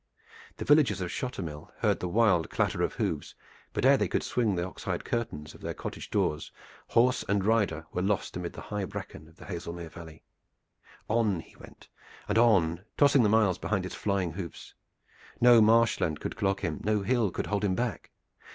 The villagers of Shottermill heard the wild clatter of hoofs, but ere they could swing the ox hide curtains of their cottage doors horse and rider were lost amid the high bracken of the Haslemere Valley. On he went, and on, tossing the miles behind his flying hoofs. No marsh land could clog him, no hill could hold him back.